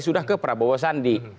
sudah ke prabowo sandi